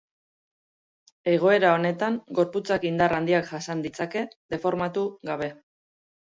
Egoera honetan gorputzak indar handiak jasan ditzake deformatu gabe.